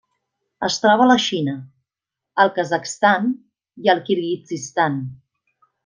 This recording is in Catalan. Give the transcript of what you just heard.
Es troba a la Xina, el Kazakhstan i al Kirguizistan.